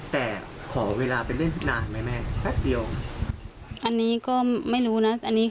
แต่ขอเวลาไปเล่นนานไหมแม่แป๊บเดียว